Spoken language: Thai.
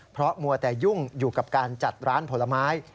เพราะมัวแต่ยุ่งอยู่กับการจัดร้านผลไม้